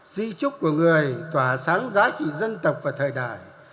di trúc của người tỏa sáng giá trị dân tộc và thời đại